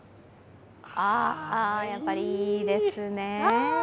やっぱりいいですね。